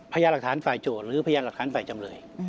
พยานหลักฐานฝ่ายโจทย์หรือพยานหลักฐานฝ่ายจำเลย